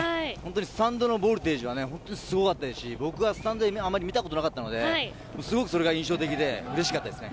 スタンドのボルテージがすごかったですし僕はあんまり、スタンドで見たことがなかったのですごくそれが印象的でうれしかったです。